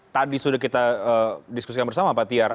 tadi sudah kita diskusikan bersama pak tiar